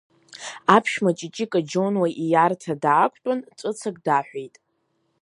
Аԥшәма, Ҷиҷико Џьонуа ииарҭа даақәтәан, ҵәыцак даҳәеит…